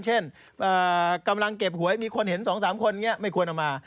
เช่นกำลังเก็บหวยมีคนเห็น๒๓คนอย่างนี้ไม่ควรเอามา